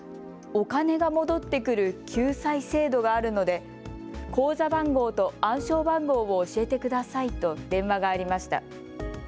お金が戻ってくる救済制度があるので、口座番号と暗証番号を教えてくださいと電話がありました。